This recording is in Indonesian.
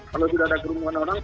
kalau tidak ada kerumunan orang